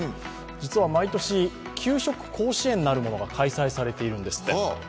実は毎年、給食甲子園なるものが開催されているんですって。